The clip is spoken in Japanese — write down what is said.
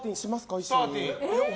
一緒に。